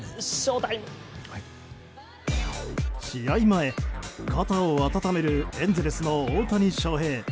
前、肩を温めるエンゼルス、大谷翔平。